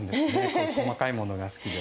こういう細かいものが好きで。